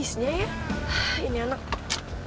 jalan terus nih boy